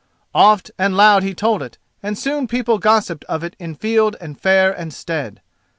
Oft and loud he told it, and soon people gossiped of it in field and fair and stead.